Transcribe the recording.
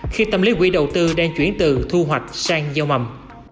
khi tâm lý quỹ đầu tư đang chuyển từ thu hoạch sang gieo mầm